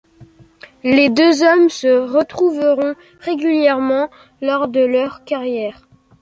Les deux hommes se retrouveront régulièrement lors de leurs carrières.